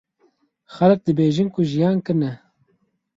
Xelk dibêjin ku jiyan kin e.